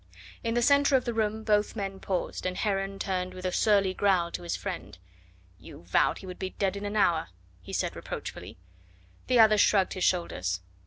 In the centre of the room both men paused, and Heron turned with a surly growl to his friend. "You vowed he would be dead in an hour," he said reproachfully. The other shrugged his shoulders.